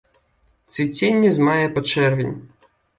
Цвіценне з мая па чэрвень.